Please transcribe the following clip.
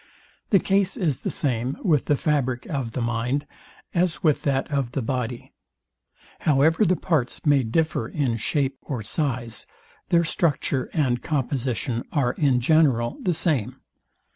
The case is the same with the fabric of the mind, as with that of the body. However the parts may differ in shape or size, their structure and composition are in general the same.